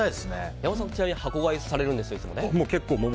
八尾さん、ちなみに箱買いされるんですよね。